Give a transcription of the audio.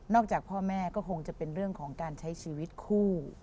จากพ่อแม่ก็คงจะเป็นเรื่องของการใช้ชีวิตคู่